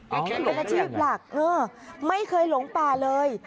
เป็นอาชีพหลักไม่เคยหลงป่าเลย